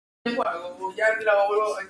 Es nativa de Java en Indonesia.